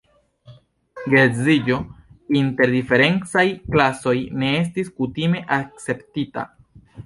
Geedziĝo inter diferencaj klasoj ne estis kutime akceptita.